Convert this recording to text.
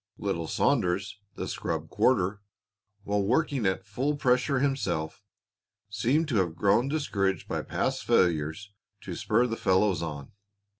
Little Saunders, the scrub quarter, while working at full pressure himself, seemed to have grown discouraged by past failures to spur the fellows on.